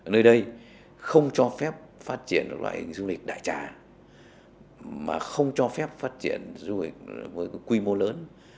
mà không cho phép phát triển du lịch với quy mô lớn